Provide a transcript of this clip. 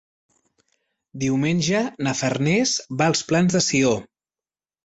Diumenge na Farners va als Plans de Sió.